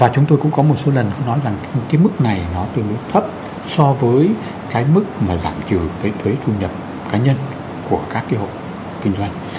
chúng tôi cũng có một số lần cũng nói rằng cái mức này nó tương đối thấp so với cái mức mà giảm thiểu cái thuế thu nhập cá nhân của các cái hộ kinh doanh